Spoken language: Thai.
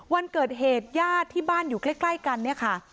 วันเกิดเหตุญาติที่บ้านอยู่ใกล้กันเนี่ยค่ะ